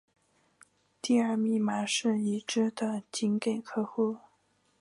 第二密码是已知的仅给用户。